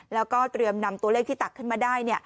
แล้วก็เตรียมนำตัวเลขที่ตักขึ้นมาได้